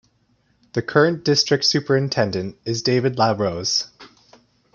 The current district superintendent is David LaRose.